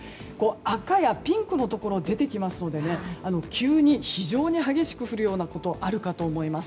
赤やピンクのところが出てきますので急に非常に激しく降ることがあるかと思います。